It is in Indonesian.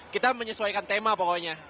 kita menyesuaikan tema pokoknya